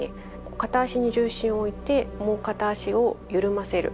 片足に重心を置いてもう片足を緩ませる。